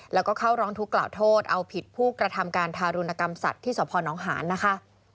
แล้วก็เข้าร้องทุกข์กล่าวโทษเอาผิดผู้กระทำการทารุณกรรมสัตว์ที่สพนหารนะคะ